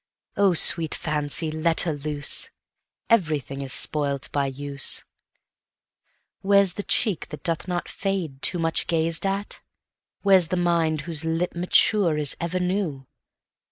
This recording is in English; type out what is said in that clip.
Oh, sweet Fancy! let her loose; Every thing is spoilt by use:Where's the cheek that doth not fade, Too much gaz'd at? Where's the maidWhose lip mature is ever new?